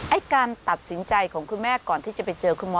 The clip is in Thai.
การตัดสินใจของคุณแม่ก่อนที่จะไปเจอคุณหมอ